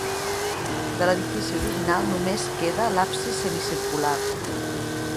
De l'edifici original només queda l'absis semicircular.